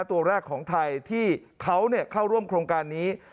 ตัวแรกของไทยที่เขาเข้าร่วมโครงการนี้